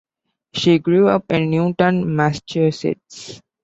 She grew up in Newton, Massachusetts.